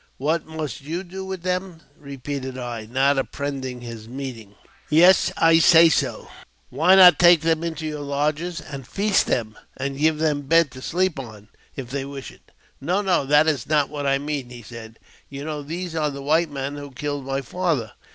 " "What must you do with them?" repeated 1} not appre hending his meaning. "Yes, I say so." ..'■" Why, take them into your lodges and feast them, and give them beds to sleep on, if they wish it." "No, no, that is not what I mean," he said; "you know these are the white men who killed my father.